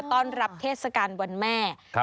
ต้อนรับเทศกาลวันแม่